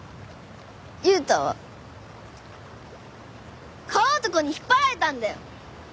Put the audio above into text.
悠太は川男に引っ張られたんだよ！